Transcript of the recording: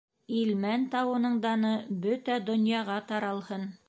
Илмән тауының даны бөтә донъяға таралһын.